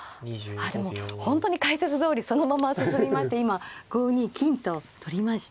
あでも本当に解説どおりそのまま進みまして今５二金と取りました。